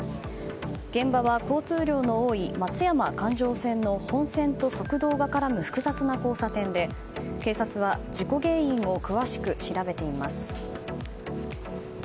現場は交通量の多い松山環状線の本線と側道が絡む複雑な交差点で警察は事故原因を詳しく調べています。